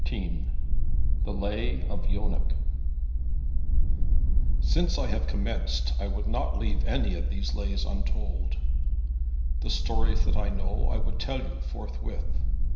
XIII THE LAY OF YONEC Since I have commenced I would not leave any of these Lays untold. The stories that I know I would tell you forthwith.